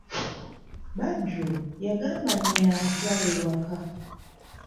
Badru, yagamba nnyina amutwale ewaka.